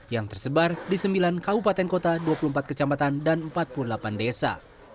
yang tersebar di sembilan kabupaten kota dua puluh empat kecamatan dan empat puluh delapan desa